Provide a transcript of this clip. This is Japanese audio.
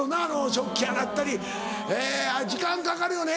食器洗ったりあれ時間かかるよね。